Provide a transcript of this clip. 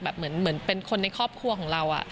เหมือนเป็นคนในครอบครัวของเรา